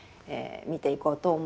見ていこうと思います。